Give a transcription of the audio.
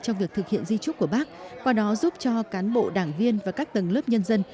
trong việc thực hiện di trúc của bác qua đó giúp cho cán bộ đảng viên và các tầng lớp nhân dân